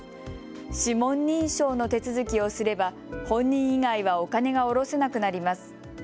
指紋認証の手続きをすれば本人以外はお金が下ろせなくなります。